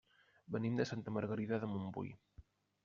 Venim de Santa Margarida de Montbui.